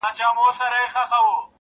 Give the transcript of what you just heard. لكه برېښنا”